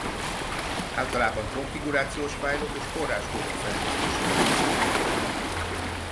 Általában konfigurációs fájlok és forráskódok szerkesztésére használják.